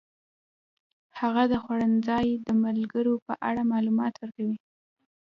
هغه د خوړنځای د ملګرو په اړه معلومات ورکړل.